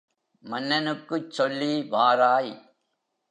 மன்னனுக்குச் சொல்லி வாராய்!